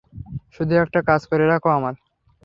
শুধু একটা কাজ করে রাখ আমার।